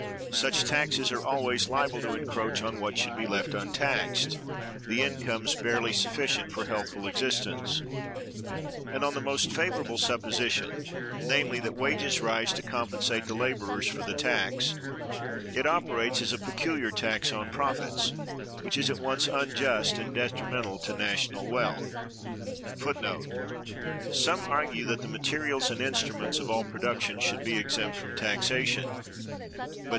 Such taxes are always liable to encroach on what should be left untaxed, the incomes barely sufficient for healthful existence; and on the most favorable supposition, namely, that wages rise to compensate the laborers for the tax, it operates as a peculiar tax on profits, which is at once unjust and detrimental to national wealth.(347) What remain are taxes on luxuries. And these have some properties which strongly recommend them.